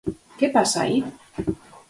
¿Que pasa aí?